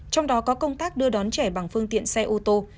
trong đó có công tác đưa đón trẻ bằng phương tiện xe ô tô